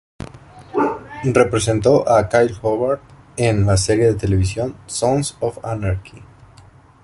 Representó a Kyle Hobart en la serie de televisión "Sons of Anarchy".